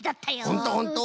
ほんとほんと！